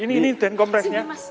ini den ini den kompresnya